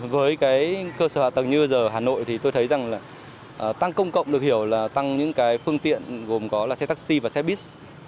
với cái cơ sở hạ tầng như bây giờ hà nội thì tôi thấy rằng là tăng công cộng được hiểu là tăng những cái phương tiện gồm có là xe taxi và xe buýt